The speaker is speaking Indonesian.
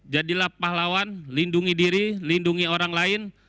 jadilah pahlawan lindungi diri lindungi orang lain